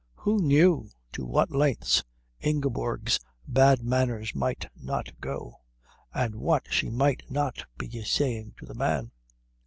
Who knew to what lengths Ingeborg's bad manners might not go, and what she might not be saying to the man?